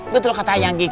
betul kata yang gigit